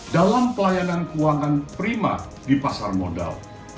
dalam pelayanan keuangan prima di pasar modal